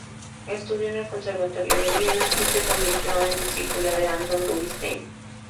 Estudió en el Conservatorio de Viena y se convirtió en discípula de Anton Rubinstein.